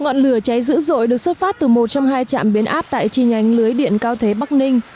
ngọn lửa cháy dữ dội được xuất phát từ một trong hai trạm biến áp tại chi nhánh lưới điện cao thế bắc ninh